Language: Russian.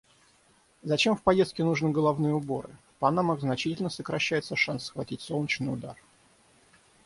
Зачем в поездке нужны головные уборы? В панамах значительно сокращается шанс схватить солнечный удар.